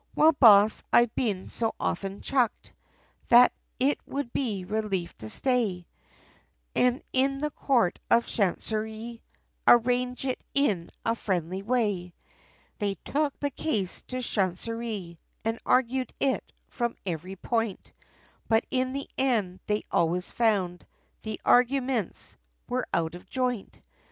"Well Boss, I've been so often chucked, That it would be relief to stay, And in the Court of Chancerie, Arrange it in a friendly way." They took the case to chancerie, And argued it, from every point, But in the end, they always found, The arguments, were out of joint!